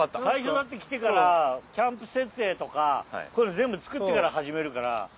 最初だって来てからキャンプ設営とかこういうの全部作ってから始めるから。